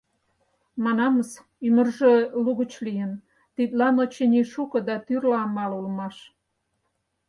Манамыс, ӱмыржӧ лугыч лийын, тидлан, очыни, шуко да тӱрлӧ амал улмаш.